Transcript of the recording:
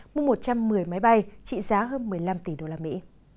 mua một trăm một mươi máy bay trị giá hơn một mươi năm tỷ đô la mỹ